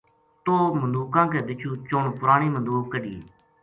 توہ مدوکاں کے بِچوں چُن پرانی مدوک کڈھنیے‘‘